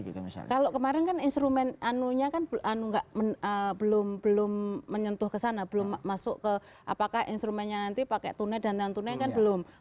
kalau kemarin kan instrumen anunya kan belum menyentuh ke sana belum masuk ke apakah instrumennya nanti pakai tunai dan non tunai kan belum